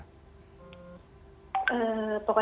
mbak mia miranti mbak mbak mbak mbak